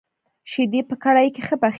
شيدې په کړايي کي ښه پخېږي.